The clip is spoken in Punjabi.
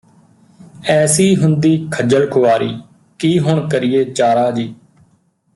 ਐਸੀ ਹੁੰਦੀ ਖੱਜਲ ਖੁਆਰੀ ਕੀ ਹੁਣ ਕਰੀਏ ਚਾਰਾ ਜੀ